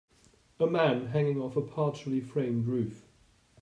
A man hanging off a partially framed roof.